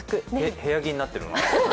部屋着になってる。